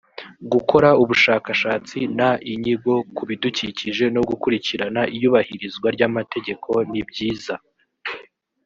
gukora ubushakashatsi n inyigo ku bidukikije no gukurikirana iyubahirizwa ryamategeko nibyiza